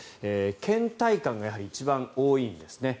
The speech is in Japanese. けん怠感がやはり一番多いんですね。